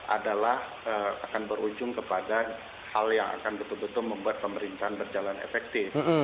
adalah akan berujung kepada hal yang akan betul betul membuat pemerintahan berjalan efektif